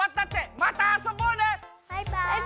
またあそぼうね！